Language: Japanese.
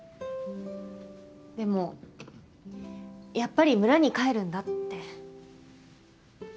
でもやっぱり村に帰るんだって。